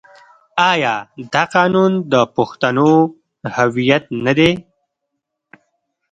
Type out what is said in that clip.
آیا دا قانون د پښتنو هویت نه دی؟